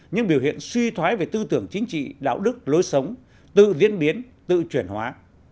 những biểu hiện suy thoái về tư tưởng chính trị đạo đức lối sống tự diễn biến tự chuyển hóa